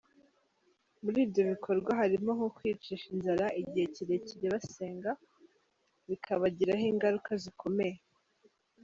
Muri ibyo bikorwa harimo nko kwiyicisha inzara igihe kirekire basenga, bikabagiraho ingaruka zikomeye.